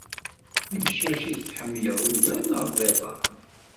D imcac ay tḥemmled ugar neɣ d iḍan?